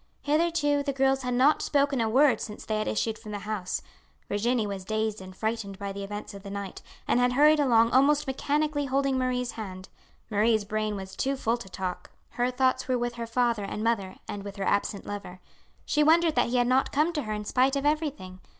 Hitherto the girls had not spoken a word since they had issued from the house. Virginie was dazed and frightened by the events of the night, and had hurried along almost mechanically holding Marie's hand. Marie's brain was too full to talk; her thoughts were with her father and mother and with her absent lover. She wondered that he had not come to her in spite of everything.